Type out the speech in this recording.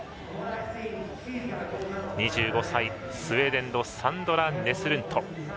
２５歳、スウェーデンのサンドラ・ネスルント。